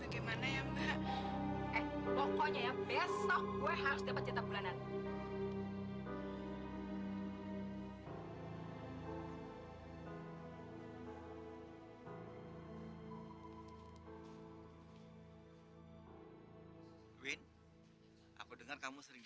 kayaknya aku harus pulang sekarang